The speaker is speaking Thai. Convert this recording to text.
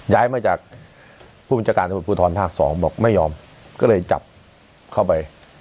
ย้ายมาจากผู้บัญชาการตำรวจภูทรภาคสองบอกไม่ยอมก็เลยจับเข้าไป